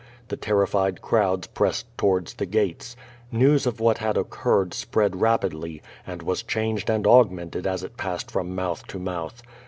The terrified crowds pressed towards the gates. News of what had occurred spread rap idly, and was changed and augmented as it passed from mouth to mouth.